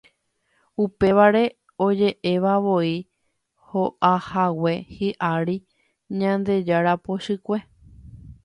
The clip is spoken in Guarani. Upévare oje'evavoi ho'ahague hi'ári Ñandejára pochykue.